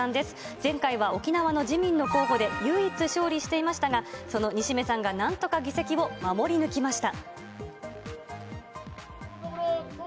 前回は沖縄の自民の候補で唯一勝利していましたが、その西銘さんがなんとか議席を守り抜きました。